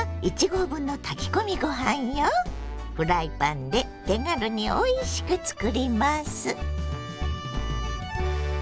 フライパンで手軽においしくつくります。